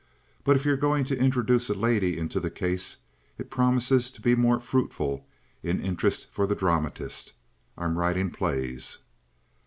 But if you're going to introduce a lady into the case, it promises to be more fruitful in interest for the dramatist. I'm writing plays."